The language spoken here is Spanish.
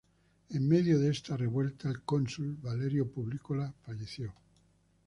En medio de esta revuelta, el cónsul Valerio Publícola falleció.